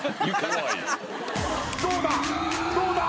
どうだ？